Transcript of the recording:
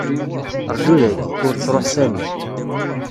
Rju dayi, ur ttruḥ sani.